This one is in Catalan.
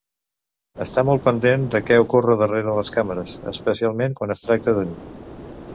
Està molt pendent de què ocorre darrere les càmeres, especialment quan es tracta de mi.